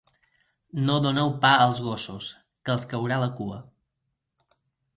No doneu pa als gossos, que els caurà la cua.